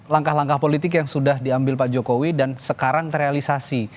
langkah langkah politik yang sudah diambil pak jokowi dan sekarang terrealisasi